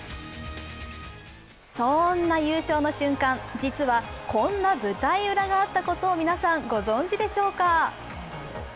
そんな優勝の瞬間、実はこんな舞台裏があったことを皆さん、ご存じでしょうか。